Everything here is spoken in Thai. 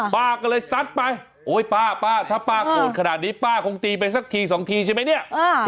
ป้าก็เลยซัดไปโอ๊ยป้าป้าถ้าป้าโกรธขนาดนี้ป้าคงตีไปสักทีสองทีใช่ไหมเนี่ย